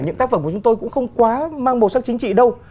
những tác phẩm của chúng tôi cũng không quá mang màu sắc chính trị đâu